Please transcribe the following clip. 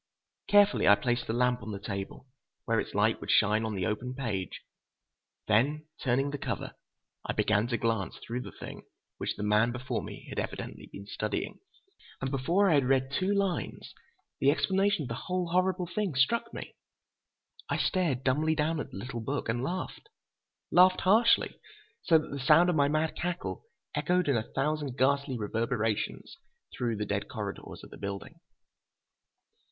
Carefully I placed the lamp on the table, where its light would shine on the open page. Then, turning the cover, I began to glance through the thing which the man before me had evidently been studying. And before I had read two lines, the explanation of the whole horrible thing struck me. I stared dumbly down at the little book and laughed. Laughed harshly, so that the sound of my mad cackle echoed in a thousand ghastly reverberations through the dead corridors of the building.